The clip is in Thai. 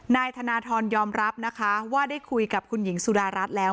นายธนทรยอมรับนะคะว่าได้คุยกับคุณหญิงสุดารัฐแล้ว